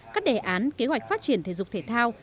các đề án kế hoạch phát triển thể dục thể thao